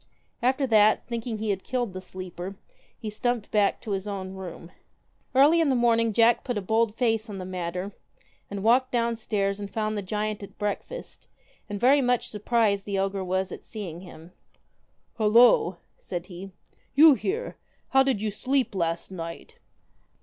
After that, thinking he had killed the sleeper, he stumped back to his own room. Early in the morning Jack put a bold face on the matter, and walked downstairs and found the giant at breakfast, and very much surprised the ogre was at seeing him. 1 Halloo 1 ' said he, 'you here ! How did you sleep last night